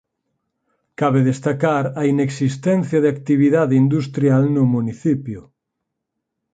Cabe destacar a inexistencia de actividade industrial no municipio.